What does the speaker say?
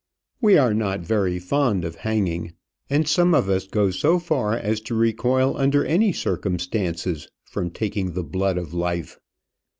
We are not very fond of hanging; and some of us go so far as to recoil under any circumstances from taking the blood of life.